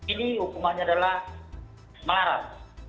ini hukumannya adalah melarang